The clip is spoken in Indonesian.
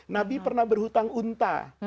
nabi pernah berhutang unta